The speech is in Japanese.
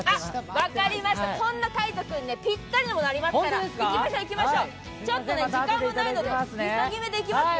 分かりました、そんな海音君にぴったりなものがありますから、ちょっと時間がないので、急ぎめでいきますよ。